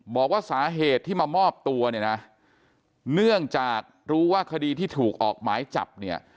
บอกว่าสาเหตุที่มามอบตัวเนี่ยนะเนื่องจากรู้ว่าคดีที่ถูกออกหมายจับเนี่ย